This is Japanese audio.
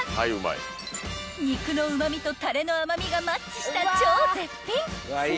［肉のうま味とたれの甘味がマッチした超絶品］